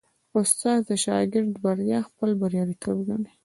استاد د شاګرد بریا خپل بریالیتوب ګڼي.